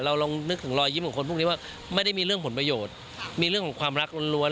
ลองนึกถึงรอยยิ้มของคนพวกนี้ว่าไม่ได้มีเรื่องผลประโยชน์มีเรื่องของความรักล้วน